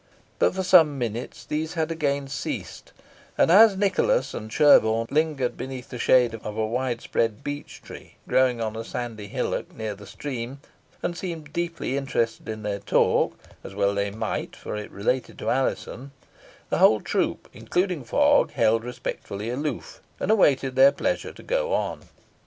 But for some minutes these had again ceased, and as Nicholas and Sherborne lingered beneath the shade of a wide spread beech tree growing on a sandy hillock near the stream, and seemed deeply interested in their talk as well they might, for it related to Alizon the whole troop, including Fogg, held respectfully aloof, and awaited their pleasure to go on.